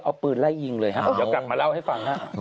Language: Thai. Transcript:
เอาปืนไล่ยิงเลยจะกลับมาเล่าให้ฟัง